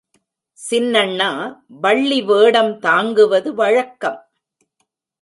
சின்னண்ணா வள்ளி வேடம் தாங்குவது வழக்கம்.